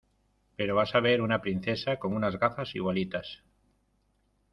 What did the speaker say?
pero vas a ver a una princesa con unas gafas igualitas